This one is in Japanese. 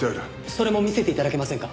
それも見せて頂けませんか？